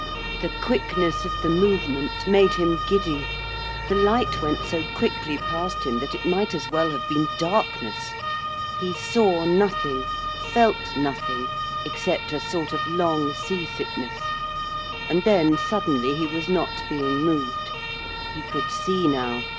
The quickness of the movement made him giddy. The light went so quickly past him that it might as well have been darkness. He saw nothing, felt nothing, except a sort of long sea sickness, and then suddenly he was not being moved. He could see now.